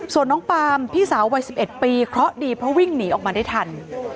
ส่วนน้องปามพี่สาววัย๑๑ปีเคราะห์ดีเพราะวิ่งหนีออกมาได้ทัน